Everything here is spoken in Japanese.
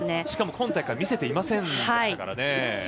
しかも、今大会見せていませんでしたからね。